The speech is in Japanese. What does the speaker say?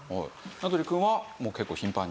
名取くんは結構頻繁に。